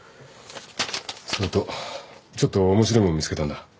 それとちょっと面白い物見つけたんだ。